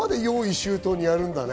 周到にやるんだね。